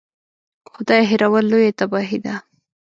خدای هېرول لویه تباهي ده.